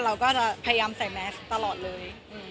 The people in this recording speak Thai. เราก็จะพยายามใส่แมสตลอดเลย